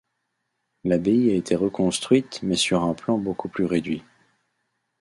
L'abbaye a été reconstruite mais sur un plan beaucoup plus réduit.